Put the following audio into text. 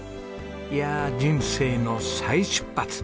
いや人生の再出発！